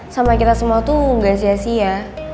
sama kita semua tuh nggak sia sia